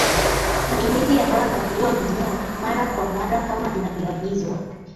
Matumizi ya dawa za kuua minyoo mara kwa mara kama inavyoagizwa